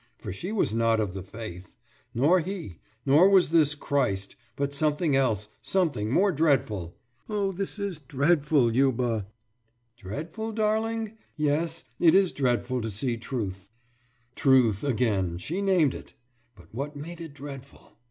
For she was not of the faith. Nor he. Nor was this Christ; but something else, something more dreadful. »Oh, this is dreadful, Liuba!« »Dreadful, darling? Yes, it is dreadful to see Truth.« Truth again she named it! But what made it dreadful?